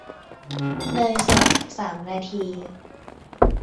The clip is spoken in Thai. เนยสดสามนาที